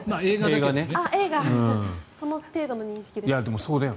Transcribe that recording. その程度の認識です。